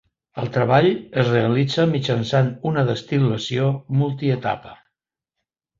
El treball es realitza mitjançant una destil·lació multietapa.